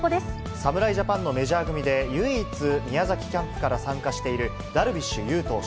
侍ジャパンのメジャー組で唯一、宮崎キャンプから参加しているダルビッシュ有投手。